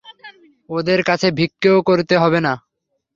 ওদের কাছে ভিক্ষেও করতে হবে না।